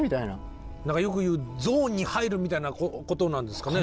よく言う「ゾーンに入る」みたいなことなんですかね？